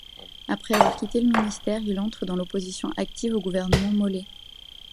Après avoir quitté le ministère, il entre dans l'opposition active au gouvernement Molé.